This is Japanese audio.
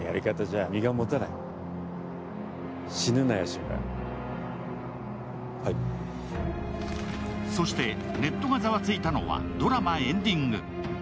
更にそして、ネットがざわついたのはドラマエンディング。